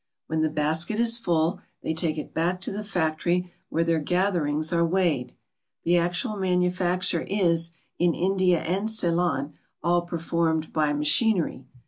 When the basket is full they take it back to the factory, where their gatherings are weighed. The actual manufacture is, in India and Ceylon, all performed by machinery.